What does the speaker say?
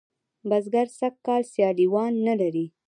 بزگر سږ کال سیاليوان نه لري.